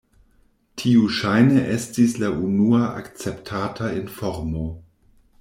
Tiu ŝajne estis la unua akceptata informo.